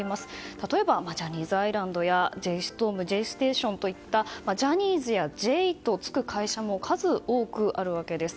例えばジャニーズアイランドやジェイ・ストームジェイステーションといったジャニーズや「Ｊ」とつく会社も数多くあるわけです。